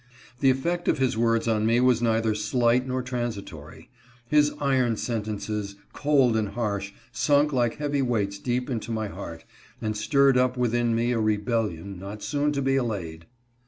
The effect of his words on me was neither slight nor transitory. His iron sen tences, cold and harsh, sunk like heavy weights deep into my heart, and stirred up within me a rebellion not soon to be allayed.